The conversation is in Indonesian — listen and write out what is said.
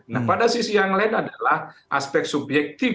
nah pada sisi yang lain adalah aspek subjektif